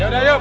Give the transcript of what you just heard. ya udah yuk